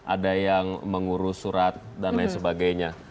ada yang mengurus surat dan lain sebagainya